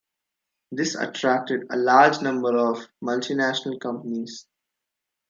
This attracted a large number of multinational companies.